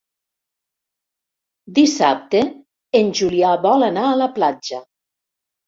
Dissabte en Julià vol anar a la platja.